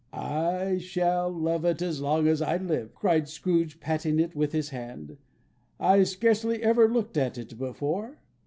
"I shall love it as long as I live!" cried Scrooge, patting it with his hand. "I scarcely ever looked at it before.